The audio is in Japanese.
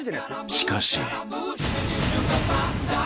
［しかし］